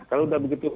kalau sudah begitu